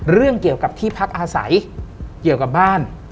เรื่องเกี่ยวกับที่พักอาศัยเกี่ยวกับบ้าน